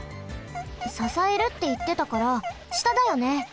ささえるっていってたからしただよね？